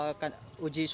bahwasanya fosfat itu juga